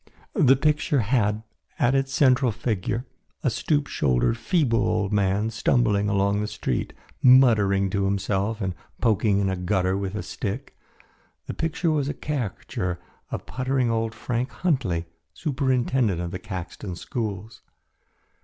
The picture had, as its central figure, a stoop shouldered, feeble old man stumbling along the street, muttering to himself and poking in a gutter with a stick. The picture was a caricature of puttering old Frank Huntley, superintendent of the Caxton schools.